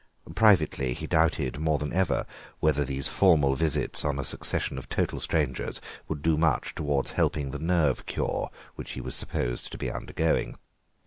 Privately he doubted more than ever whether these formal visits on a succession of total strangers would do much towards helping the nerve cure which he was supposed to be undergoing.